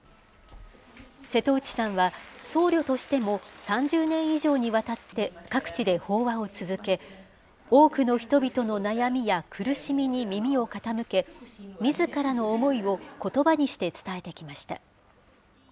瀬戸内さんは、僧侶としても３０年以上にわたって各地で法話を続け、多くの人々の悩みや苦しみに耳を傾け、みずからの思いをことばにして伝えてきました。